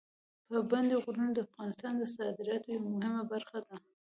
پابندي غرونه د افغانستان د صادراتو یوه مهمه برخه ده.